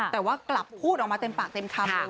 แต่ว่ากลับพูดออกมาเต็มปากเต็มคำเลย